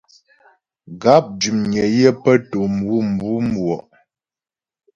Gáp dʉmnyə yə pə́ tò mwǔmwù mgwɔ'.